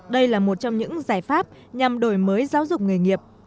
đây là một trong những giải pháp nhằm đổi mới giáo dục nghề nghiệp